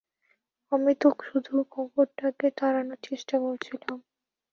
আমি তো শুধু কুকুরটাকে তাড়ানোর চেষ্টা করছিলাম!